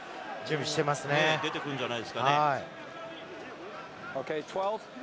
出てくるんじゃないでしょうかね。